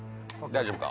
大丈夫か？